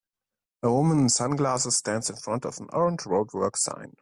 A woman in sunglasses stands in front of an orange roadwork sign.